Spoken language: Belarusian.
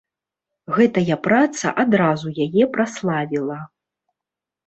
Гэтая праца адразу яе праславіла.